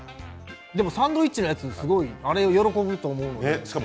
サンドイッチのやつすごい喜ぶと思うので。